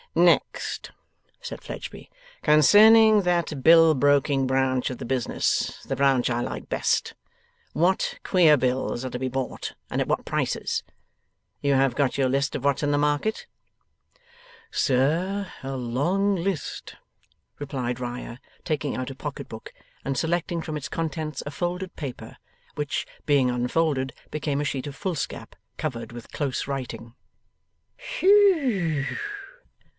'Next,' said Fledgeby, 'concerning that bill broking branch of the business; the branch I like best. What queer bills are to be bought, and at what prices? You have got your list of what's in the market?' 'Sir, a long list,' replied Riah, taking out a pocket book, and selecting from its contents a folded paper, which, being unfolded, became a sheet of foolscap covered with close writing. 'Whew!